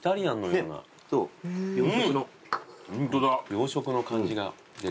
洋食の感じが出るね。